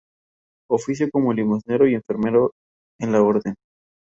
El museo tiene accesos desde el exterior y del interior del hotel.